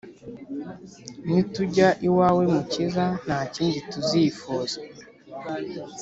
Nitujya iwawe mukiza ntakindi tuzifuza